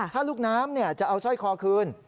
ถ้าลูกน้ำจะเอาสร้อยคอคืน